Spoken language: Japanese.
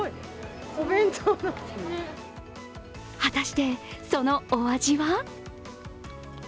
果たして、そのお味は？